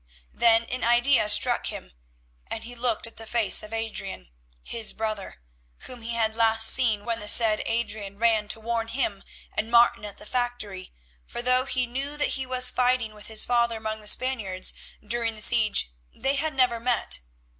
Then an idea struck him, and he looked at the face of Adrian, his brother, whom he had last seen when the said Adrian ran to warn him and Martin at the factory, for though he knew that he was fighting with his father among the Spaniards, during the siege they had never met.